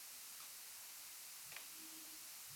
El azúcar piedra tiene su origen en la India y Persia.